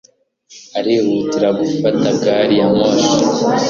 Arihutira gufata gari ya moshi.